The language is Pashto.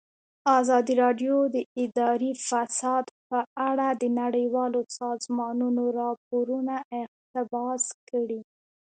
ازادي راډیو د اداري فساد په اړه د نړیوالو سازمانونو راپورونه اقتباس کړي.